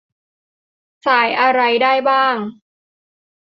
สายอะไรได้บ้าง ?